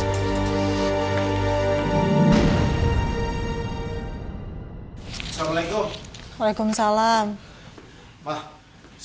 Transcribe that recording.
tapi ini salah sel ibu